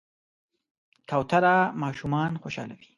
کوتره ماشومان خوشحالوي.